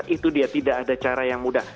itu dia tidak ada cara yang mudah